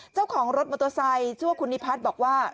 เจ้าของรถมอเตอร์ไซค์ชื่อว่าคุณนิพัฒน์บอกว่า